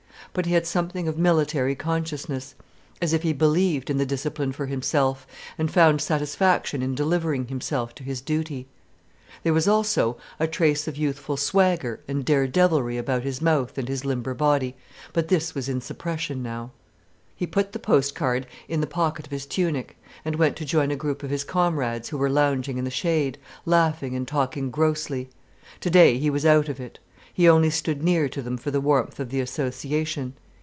But he had something of military consciousness, as if he believed in the discipline for himself, and found satisfaction in delivering himself to his duty. There was also a trace of youthful swagger and dare devilry about his mouth and his limber body, but this was in suppression now. He put the post card in the pocket of his tunic, and went to join a group of his comrades who were lounging in the shade, laughing and talking grossly. Today he was out of it. He only stood near to them for the warmth of the association.